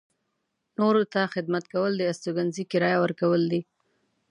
نورو ته خدمت کول د استوګنځي کرایه ورکول دي.